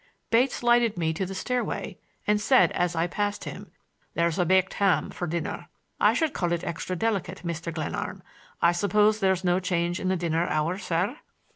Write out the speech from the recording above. Bates lighted me to the stairway, and said as I passed him: "There's a baked ham for dinner. I should call it extra delicate, Mr. Glenarm. I suppose there's no change in the dinner hour, sir?"